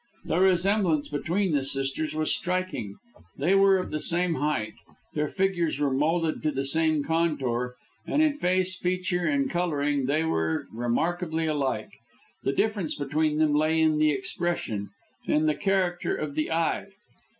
The resemblance between the sisters was striking. They were of the same height, their figures were moulded to the same contour, and in face, feature and colouring they were remarkably alike. The difference between them lay in the expression, and in the character of the eye.